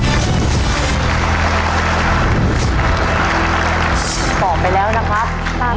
ตอบไปแล้วนะครับ